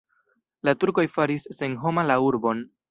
La turkoj faris senhoma la urbon.